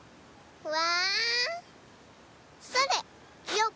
うわ！